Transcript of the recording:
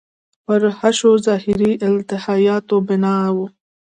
پر حشوي – ظاهري الهیاتو بنا و.